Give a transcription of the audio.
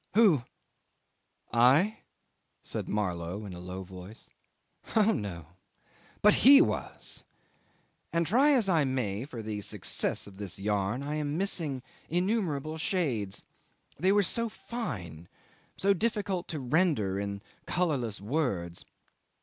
'Who? I?' said Marlow in a low voice. 'Oh no! But he was; and try as I may for the success of this yarn, I am missing innumerable shades they were so fine, so difficult to render in colourless words.